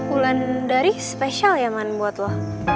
bulan dari spesial ya man buat lo